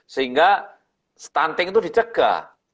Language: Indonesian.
sehingga stunting itu dicegah